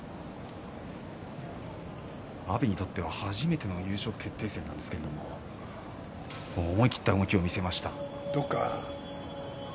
阿炎にとっては初めての優勝決定戦なんですけど思い切った動きを見せました。